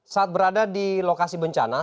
saat berada di lokasi bencana